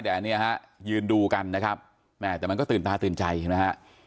แต่อันนี้ฮะยืนดูกันนะครับแม่แต่มันก็ตื่นตาตื่นใจเห็นไหมฮะ